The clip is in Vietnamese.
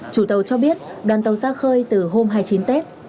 chủ tàu cho biết đoàn tàu ra khơi từ hôm hai mươi chín tết